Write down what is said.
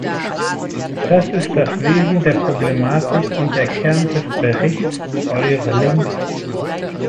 Das ist das Wesen der Problematik und der Kern des Berichts Eurlings.